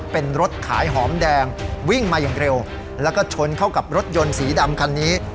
เป็นรถขายหอมแดงวิ่งมาอย่างเร็วแล้วก็ชนเข้ากับรถยนต์สีดำคันนี้